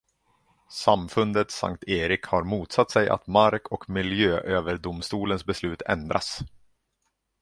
Samfundet Sankt Erik har motsatt sig att Mark- och miljööverdomstolens beslut ändras.